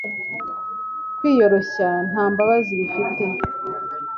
Kwiyoroshya nta mbabazi bifite